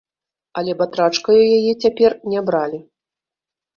Але батрачкаю яе цяпер не бралі.